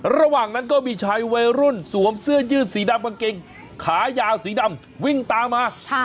ระหว่างนั้นก็มีชายวัยรุ่นสวมเสื้อยืดสีดำกางเกงขายาวสีดำวิ่งตามมา